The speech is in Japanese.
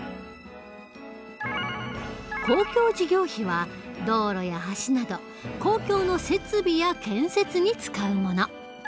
公共事業費は道路や橋など公共の設備や建設に使うもの。